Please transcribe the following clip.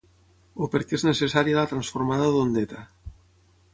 O per què és necessària la transformada d'ondeta.